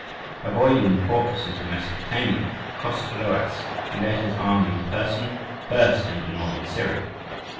Avoiding the fortresses of Mesopotamia, Chosroës, who led his army in person, burst into Northern Syria.